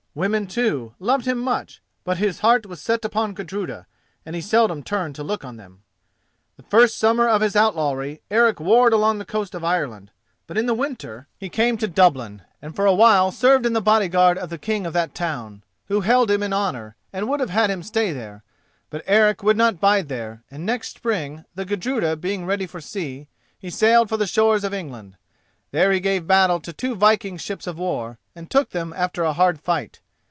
Women, too, loved him much; but his heart was set upon Gudruda, and he seldom turned to look on them. The first summer of his outlawry Eric warred along the coast of Ireland, but in the winter he came to Dublin, and for a while served in the body guard of the king of that town, who held him in honour, and would have had him stay there. But Eric would not bide there, and next spring, the Gudruda being ready for sea, he sailed for the shores of England. There he gave battle to two vikings' ships of war, and took them after a hard fight.